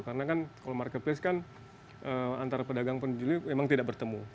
karena kan kalau marketplace kan antara pedagang penjualan memang tidak bertemu